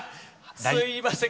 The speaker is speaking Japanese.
すいません。